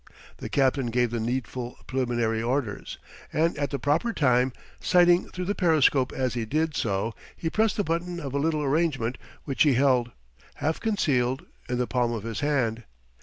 The captain gave the needful preliminary orders; and at the proper time, sighting through the periscope as he did so, he pressed the button of a little arrangement which he held, half concealed, in the palm of his hand.